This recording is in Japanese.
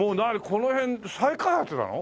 この辺再開発なの？